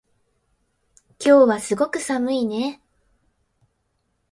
今日はすごく寒いね